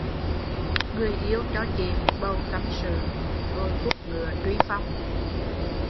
Người yêu cho chị một bầu tâm sự rồi quất ngựa truy phong